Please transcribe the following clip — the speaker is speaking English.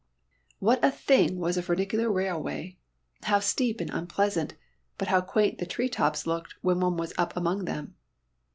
What a thing was a funicular railway. How steep and unpleasant, but how quaint the tree tops looked when one was up among them.